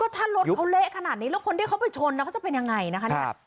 ถ้ารถเขาเละขนาดนี้แล้วคนที่เขาไปชนเขาจะเป็นยังไงนะคะเนี่ย